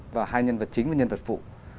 vào hai nhân vật chính và nhân vật phụ